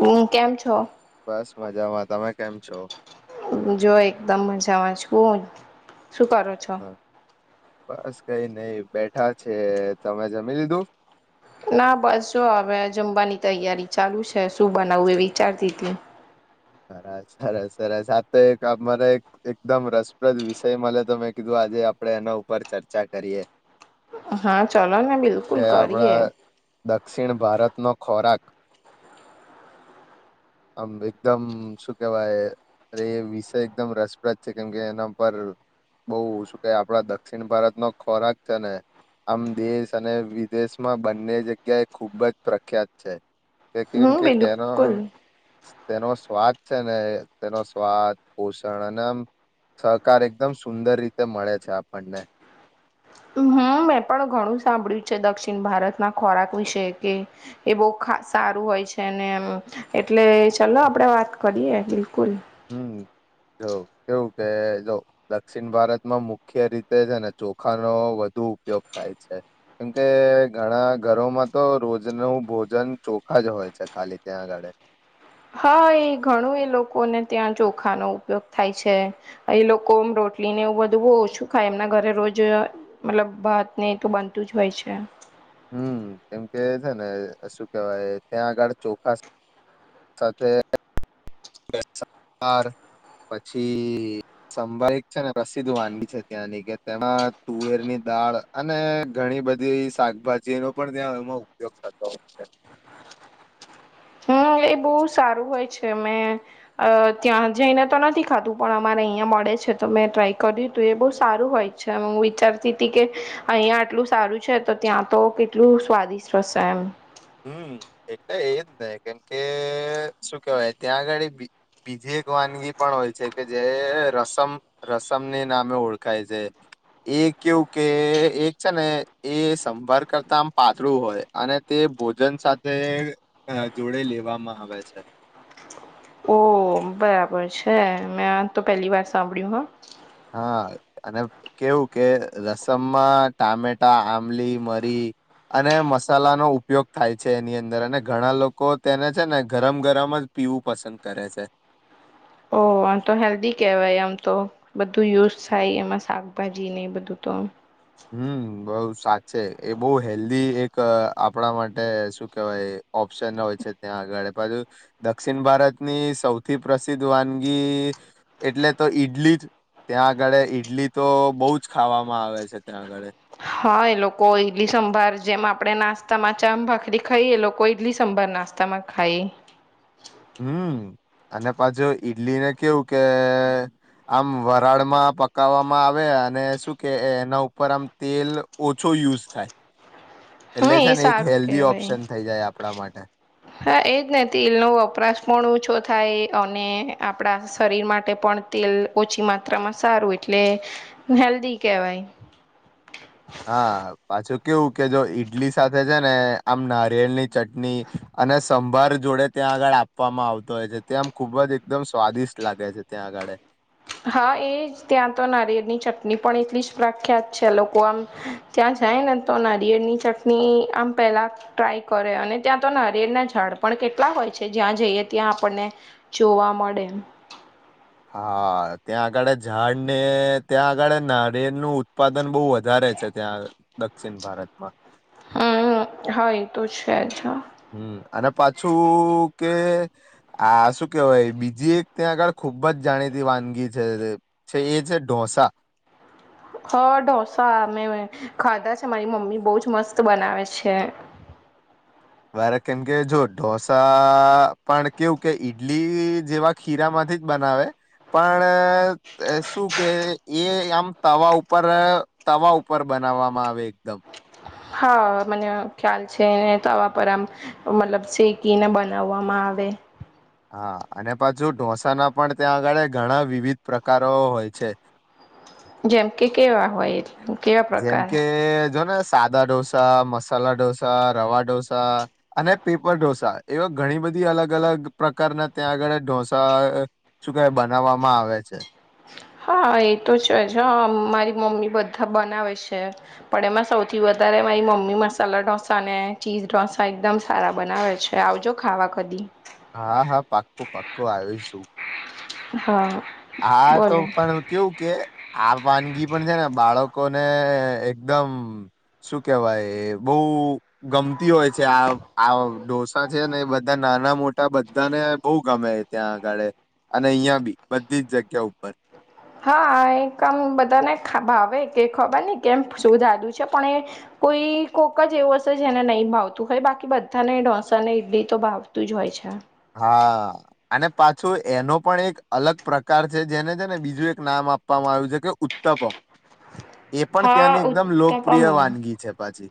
હમ કેમ છો? બસ મજામાં તમે કેમ છો? જો એકદમ મજામાં શું કરો છો? બસ કઈ નઈ બેઠા છે તમે જમી લીધું? ના બસ જો હવે જમવાની તૈયારી ચાલુ છે શું બનાવવું એ વિચારતી હતી સરરા સરસ સરસ આ તો એક અમારે એક એકદમ રસપ્રદ વિષય મળે તો મેં કીધું આજે આપડે એના ઉપર ચર્ચા કરીએ હા ચલો ને કે બિલકુલ આપડા કરીએ. દક્ષિણ ભારત નો ખોરાક આમ એકદમ શું કેવાય અરે એ વિષય એકદમ રસપ્રદ છે કેમ કે એના પર બઉ શું કેવાય આપડા દક્ષિણ ભારત નો ખોરાક છે ને આમ દેશ અને વિદેશમાં બંને જગ્યાએ ખુબ જ પ્રખ્યાત છે. તે કે કેમ હમ કે તેનો બિલકુલ. તેનો સ્વાદ છે ને તેનો સ્વાદ પોષણ અને આમ સહકાર એકદમ સુંદર રીતે મળે છે આપણને હમ મેં પણ ઘણું સાંભળ્યું છે દક્ષિણ ભારતના ખોરાક વિશે કે એ બ હા સારું હોય છે ને એમ એટલે ચલને આપડે વાત કરીએ બિલકુલ હમ જો કેવું કે જો દક્ષિણ ભારતમાં મુખ્ય રીતે છે ને ચોખાનો વ ધુ ઉપયોગ થાય છે કેમકે ઘણા ઘરોમાં તો રોજ નું ભોજન ચોખા હોય છે ખાલી ત્યાં આગળે [inaudible] હા એ ઘણું એ લોકોને ત્યાં ચોખાનો ઉપયોગ થાય છે એ લોકો રોટ ટલી ને એવું બધું ઓછું ખાય એમના ઘરે રોજ મતલબ ભાત ને તો બનતું જ હોય છે હમ કેમ કે છે ને શું કેવાય ત્યાં આગળ ચોખા સાથે બાર પછી સંભયિક છે ને પ્રસિદ્ધ વાનગી છે ત્યાંની કે તેમાં તુવેરની દાળ અને ઘણી બધી શાકભાજી નો પણ ત્યાં એમાં ઉપયોગ થતો હોય છે [inaudible] હ એ બઉ સારું હોય છે મે ત્યાં જઈને તો નથી ખાધું પણ અમારે અહિયાં મળ ળે છે તો મે ટ્રાય કર્યું તું એ બ સારું હોય છે હ વિચારતી કે અહિયાં આટલું સારું છે તો ત્યાં તો કેટલું સ્વાદિષ્ટ હશે એમ હમ એટલે એ જ ને કેમ કે શું કેવાય ત્યાં આગાળી બીજે વાનગી પણ હોય છે કે જે રસમ રસમની નામે ઓળખાય છે એ કેવું કે એક છે ને એ સંભાર કરતા આમ પાતળું હોય અને તે ભોજન સાથે જોડે લેવામાં આવે છે ઓ બરાબર છે મેં તો પહેલી વાર સાંભળ્યું હ હા અને કેવું કે રસમમાં ટામેટા આંમલી મરી અને મસાલાનો ઉપયોગ થાય છે એની અંદર અને ઘણા લોકો તેને છે ને ગરમ ગરમ જ પીવું પસંદ કરે છે [inaudible] ઓ આમ તો હેલ્ધી કેવાય આમ તો બધું યુઝ થાય એમાં શાકભાજી ને એ બધું તુ [unintelligible] હમ, બઉ સાચે, એ બઉ હેલ્ધી એક આપણા માટે શું કેવાય ઓપ્શન હોય છે, ત્યાં આગળ પાછું દક્ષિણ ભારતની સૌથી પ્રસિદ્ધ વાનગી. એટલે, તો ઈડલી જ ત્યાં આંગળે ઈડલી, તો બઉ જ ખાવામાં આવે છે. ત્યાં, અગાળે હા, એ લોકો ઈડલી સંભાર, જેમ આપડે નાસ્તામા ચા ભાખરી ખાઈએ, એ લોકો ઈડલી સંભાર નાસ્તામાં ખાય. હમ, અને પાછુ ઈડલીને કેવું કે આમ વરાળમા પકાવવામા આવે, અને શું કે એના ઉપર આમ, તેલ ઓછું યુઝ, થાય હમ એટલે એ છેને, એક સારું હેલ્ધી કેહેવાય ઓપ્શન થઈ, જાય આપણા માટે હા, એજ ને તેલ નો વપરાશ પણ ઓછો, થાય અને આપણા શરીર, માટે પણ તેલ ઓછી માત્રામાં સારું એટલે હેલ્ધી કેવાય હા, પાછું કેવું કે જો ઈડલી સાથે છેને, આમ નારિયેલની ચટણી, અને સમ ભાર જોડે ત્યાં આગળ આપવામાં આવતો હોય છે, તે આમ ખુબજ એકદમ સ્વાદિષ્ટ લાગે છે, ત્યાં અગાડે હા, એજ ત્યાં તો નારિયેળની ચટણી પણ એટલી જ પ્રખ્યાત છે, લોકો આમ ત્યાં જાય, ને તો નારિયેળની ચટણી આમ પેલા ટ્રાય કરે, અને ત્યાં તો નારિયેળના ઝાડ પણ કેટલા હોય છે, જ્યાં જઈએ, ત્યાં આપણને જોવા મળે હા, ત્યાં અગાડે ઝાડને, ત્યાં અગાડે નાળિયેરનું ઉત્પા દન, બહુ વધારે છે, ત્યાં દક્ષિણ ભારતમાં હમ હા એ તો, છે જ હા હમ અને પાછું, કે આ શુ કેવાય બીજી, એક ત્યાં આગળ ખૂબજ જાણીતી વાનગી છે, છૈયેછે, ઢોસા [inaudible] હા, ઢોસા મેમે ખાધા છે, મારી મમ્મી બવજ મસ્ત બનાવે છે. [inaudible] વારે કેમ કે જો ઢોસા, પણ કેવું કે ઈડલી જેવા ખીરામાંથી થીજ, બનાવે પણ શું કે એ, આમ તવા ઉપર તવા ઉપર બનાવવામા, આવે એકદમ હા, મને ખ્યાલ છેને, તવા પર આમ મતલબ શેકીને બનાવવામા આવે હા, અને પાછુ ઢોસાના, પણ ત્યાં આગળ ઘણા વિવિધ પ્રકારો હોય છે. જેમ, કે કેવા હોય કેવા જેમ, પ્રકાર કે જોને સાદા ઢોસા, મસાલા ઢોસા, રવા ઢોસા, અને પેપર ઢોસા એવા ઘણી બધી બધી અલગ અ, લગ પ્રકારના ત્યાં આંગળે ઢોસા શું કેવાય બનાવવામાં આવે છે. હા, એ તો છેજ હ મારી મમ્મી બધા બનાવે છે, પણ એમાં સૌથી વધ ત્યારે મારી મમ્મી મસાલા ઢોસા ને ચીઝ ઢોસા એકદમ સારા બનાવે છે, આવજો ખાવા કદી હા, હા પાક્કો, પાક્કો આવીશું હા હા, તો બોલો પણ કેવું, કે આ વાનગી પણ છેને, બાળક લોકોને એકદમ, શું કેવાય બહ ગમતી હોય છે, આ ઢોસા છેને, એ બધા નાના મોટા બધા ને બહુ ગમે ત્યાં આગળ અને અહિયાં બી બધી જ જગ્યા, ઉપર હા, એકમ બધાને હાવ, કે ખબર ન કેમ શુંધદુ છે પણ એ કોઈ કોક જ એવું હશે જેને નહીં, ભાવતું હોય, બાકી બધાને ઢોસા ને ઈડલી તો ભાવતું જ હોય છે. હા, અને પાછું એનો પણ એક અલગ પ્રકાર છે, જેને છેને, બીજું એક નામ આપવાવામાં આવું છે કે ઉત્તાપ [inaudible] એ પણ ત્યાંની હા એકદમ લોકપ્રિય ઉત્તપમ વાનગી છે, પાછી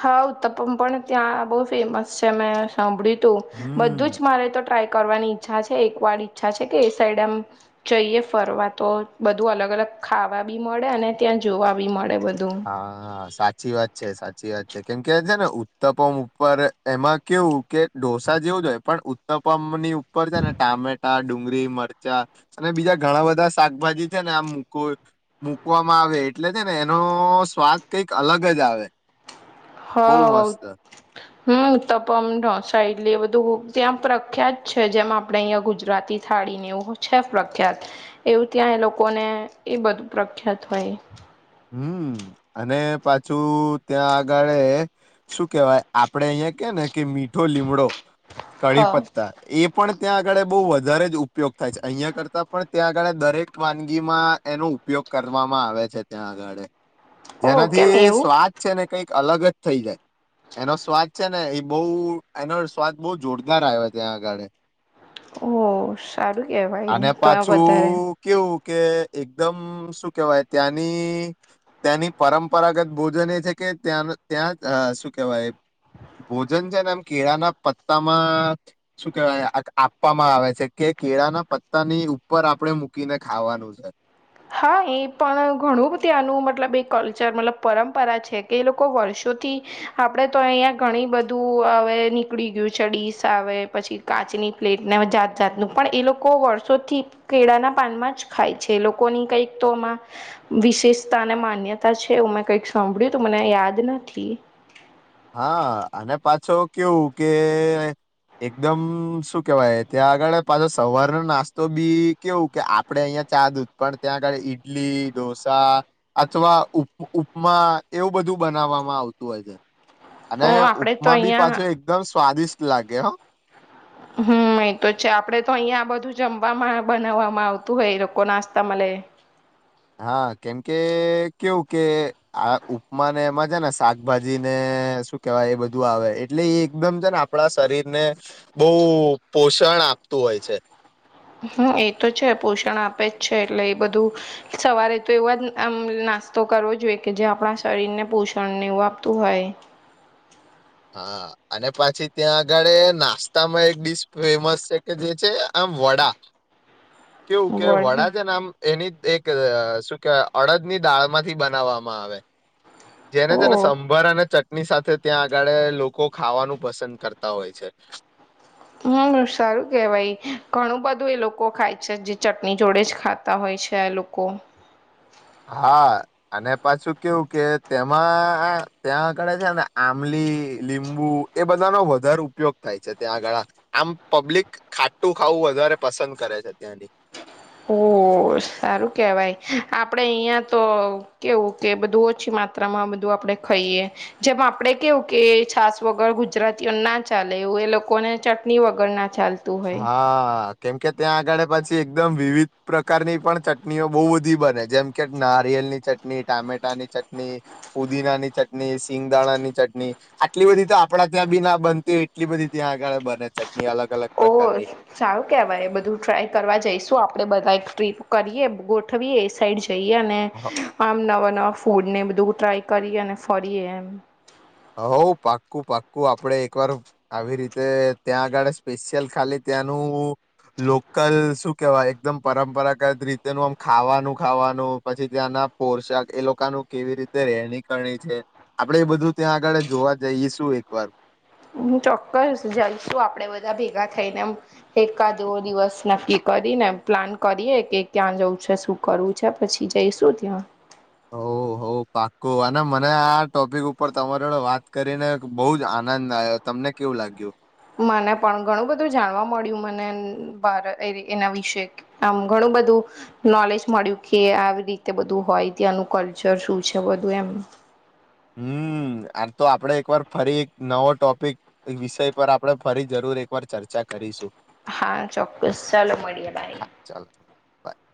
હા ઉત્તપ પણ ત્યાં બહ ફેમસ છે, મેં સાંભળ્યું તું હમ બધું જ મારે તો ટ્રાય કરવાની ઈચ્છા છે, એક વાર ઈચ્છા છે કે એ સાઈડ એમ જઈએ ફરવા, તો બધું અલગ અલગ ખાવા બી મળે અને, ત્યાં જોવા બી મળે બ હા સા સાચી વાત છે સાચી વાત છે, કેમ કે છે ને ઉત્તપમ ઉપર એમાં કેવું કે ઢોસા જેવ પણ ઉત્તપમ ની ઉપર છે ને ટામેટા, ડુંગળી, મરચા અને બીજા ઘણા બધા શાકભાજી છે ને, આમ મક મકવામાં આવે એટલે છે ને એનો સ્વાદ કઈક અલગ જ આવે બહુ હા મસ્ત હમ ઉત્તપમ, ડોસા, એલી બધું તો ત્યાં પ્રખ્યાત છે, જેમ આપડે અહં ગુજરાતી થાળીને એવું છે પ્રખ્યાત એ એું ત્યાં એ લોકોને એ, બધું પ્રખ્યાત હોય હમ, અને પાછું ત્યાં આગળ શું કેવાય આપડે અહિયાં ને કે મીઠો લીમડો, કદી હા પત્તા એ પણ ત્યાં આગળ બહુ વધારે જ ઉપયોગ થાય છે, અહિયાં કરતાં પણ ત્યાં આગળ દરેક વાનગી માં એનો ઉપયોગ કરવામાં આવે છે, ત્યાં આગળ ઓ કેમ જેનાથી એવું સ્વાદ છે ને કઈ અલગ જ થઇ જાય એનો સ્વાદ છે ને એ બહુ એનો સ્વાદ બહુ જોરદાર આવ્યો ત્યાં અગાડે ઓ સારું કે વયે તો એ વધારે પાછું કેવું કે એકદમ શું કેહેવાય ત્યાંની તેની પરંપરાગત ભોજન એ છે કે, ત્યાં ત્યાં શું કેવાય ભોજન છે નેએમ કેળા ના પત્તામાં શું કેવાય આપવામાં આવે છે કે કેળા ના પત્તા ની ઉપર આપડે મૂકીને ખાવાનું છે હા, એ પણ ઘણું બધી આનું મતલબ એ કલ્ચર મતલબ પરંપરા છે કે એ લોકો વર્ષો થી આપડે તો અહીંયા ઘણી બધું હવે નીકળી ગયું છે ડીસ આવે પછી કાચી ની પ્લેટ જાત જાતનું પણ, એ લોકો વર્ષોથી કેળાના પાનમાં જ ખાય છે એ લોક કોની કંઈક તો, એમાં વિશેષતા અને માન્યતા છે એું મેં કંઈક સાંભળ્યું ત મને યાદ ન થી હા, અને પાછો કેવું કે એકદમ શું કેવાય, ત્યાં આગળ પાછો સવારનો નાસ્તો બી કેવું કે આપડે અહીંયા ચા, દૂત પણ ત્યાં આગળ ઈડલી, ઢોસા અથવા ઉપમા એવું બધું બધું બનાવવામાં આવતું હોય, છે. અને, અ આપડે તો ઉપમા બી અહિયાં પાછો એકદમ સ્વાદિષ્ટ લાગે હ હમ, અ તો છે આપડે તો અહિયાં આ બધું જમવામાં બનાવવામાં આવતું હોય એ લોકો નાસ્તા મ [inaudible] હા કેમકે કેવું કે, આ ઉપમાને મજા ને શાકભાજી ને અને શું કેવાય, એ બધું આવે એટલે એ એકદમ છે ને આપણા શરીર ને બહ પોષણ આપતું હોય છે હમ, એ તો છે, પોષણ આપે જ છે એટલે એ બધું સવારે તો એવા જમ નાસ્તો કરવો જોઈએ, કે જે આપણા શરીરને પોષણને, એવું આપતું હોય. હ, અને પછી ત્યાં આગળ નાસ્તામાં એક ડીશ ફેમસ છે, કે જે છે આમ વડા હ કેવું કે વડા જે નામ એની એક, શું કેવાય અડદ ની દાળ માંથી બનાવવામાં આવે જેને તેને ઓ સંભર અને ચટણી સાથે ત્યાં આગળે, લોકો ખાવાનું પસંદ કરતા હોય છે. હમ, સારું કેવાય ઘણું બધું એ લોકો ખાય છે જે ચટણી જોડે જ ખાતા હોય. છે લોકો હા અને પાછું કેવું કે તેમાં ત્યાં આગળ છે ને આમલી લીબુ એ બધા નો વધારે ઉપયોગ થાય છે ત્યાં આગળ આમ પબ્લિક ખાટું ખાવું વધારે પસંદ કરે છે ત્યાંની. ઓ સારું કેવાય આપડે અહિયાં તો કેવું કે બધું ઓછી માત્રામાં બધું આપડે ખાઈએ જેમ આપડે કેવું કે છાસ વગર ગુજરાતીઓ ના ચાલે. એવું એ લોકો ને ચટણી વગર ના ચાલતું હોય હા.. કેમકે ત્યાં આગળ પછી એકદમ વિવિધ પ્રકારની પણ ચટણીઓ બહુ બધી બને જેમ કે નારિયેળ ની ચટણી ટામેટાની ચટણી ફુદીનાની ચટણી સિંગદાણા ની ચટણી આટલી બધી તો આપડા ત્યાં બી ના બનતીય એટલી બધી ત્યાં આગળ બને ચટણી અલગ અલગ ઓ પ્રકારની સારું કેહેવાય બધું ટ્રાય કરવા જઈશું આપડે બધા ટ્રીપ કરીએ ગોઠવીએ એ સાઈડ જઈએ અને આમ નવા નવા ફૂડ ને બધું ટ્રાય કરી અને ફરીએ એમ. હ પાક્કું પાક્કું આપડે એક વાર આવી રીતે ત્યાં આગળ સ્પેશિયલ ખાલી તા ત્યાનું લોકલ શું કેવાય એકદમ પરંપરાગત રીતે નુ આમ ખાવાનું ખાવાનું પછી ત્યાંના પોશાક એ લોકોનું કેવી રીતે રહેણી કરણી છે આપડે એ બધું ત્યાં આગળ જોવા જઈએ શું એક વાર. હું ચોક્કસ જઈશું આપડે બધા ભેગા થઈને એમ એકકાવો દિવસ નક્કી કર. કરીને પ્લાન કરીએ કે ક્યાં જવું છે શું કરવું છે પછી જઈશું ત્યાં. ઓ.. હો પાકૂ અને મને આ ટોપિક ઉપર તમારો વાત કરીને બહુ જ આનંદ આવ્યો તમને ને કેવું લાગ્યું? મને પણ ઘણું બધું જાણવા મળ્યું મને અ ભ એના વિશે આમ ઘણું બધું નોલેજ મળ્યું કે આવી રીતે બધું હોય ત્યાંનું કલ્ચર શું છે બધું એમ. [inaudible] હમ આ તો આપડે એકવાર ફરી એક નવો ટોપિક વિષય પર આપડણે ફરી જરૂર એકવાર ચર્ચા કરી. કરીશું. હા ચોક્કસ ચાલો મળીએ બાય. બાય.